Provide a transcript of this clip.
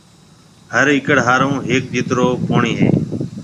هر ايڪڙ هارون هيَڪجترو پوڻِي هيَ۔